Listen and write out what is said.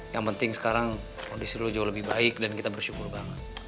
yang penting sekarang kondisi lu jauh lebih baik dan kita bersyukur banget